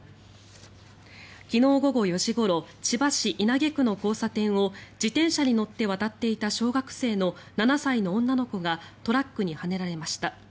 昨日午後４時ごろ千葉市稲毛区の交差点を自転車に乗って渡っていた小学生の７歳の女の子がトラックにはねられました。